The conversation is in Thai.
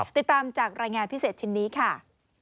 ติดตามจากรายงานพิเศษชิ้นนี้ค่ะ